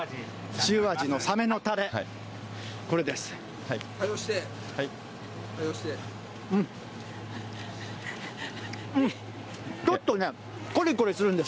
塩味のサメのたれ、これです。